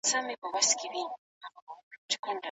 د مور له لوري ورکړل سوي روزنه د انسان په ټول ژوند کي څرګندیږي